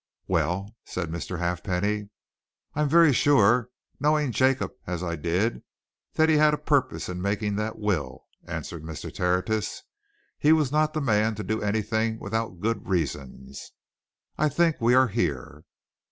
"Well?" said Mr. Halfpenny. "I'm very sure, knowing Jacob as I did, that he had a purpose in making that will," answered Mr. Tertius. "He was not the man to do anything without good reasons. I think we are here."